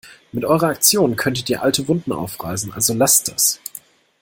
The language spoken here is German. Mit eurer Aktion könntet ihr alte Wunden aufreißen, also lasst das!